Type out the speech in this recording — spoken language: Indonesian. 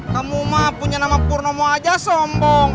kamu mah punya nama purnomo aja sombong